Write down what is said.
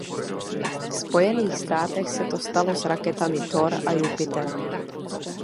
V Spojených státech se to stalo s raketami Thor a Jupiter.